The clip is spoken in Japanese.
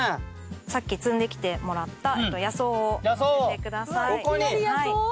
さっき摘んできてもらった野草をのせてください。